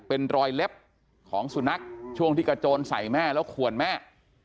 เป็นรอยเล็บของสุนัขช่วงที่กระโจนใส่แม่แล้วขวนแม่